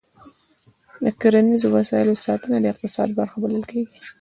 د کرنیزو وسایلو ساتنه د اقتصاد برخه بلل کېږي.